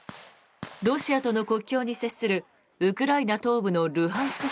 ロシアとの国境に接するウクライナ東部のルハンシク